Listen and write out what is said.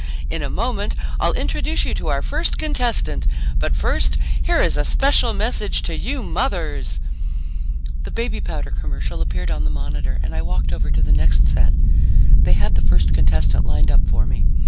In a moment I'll introduce you to our first contestant. But first here is a special message to you mothers ..." The baby powder commercial appeared on the monitor and I walked over to the next set. They had the first contestant lined up for me.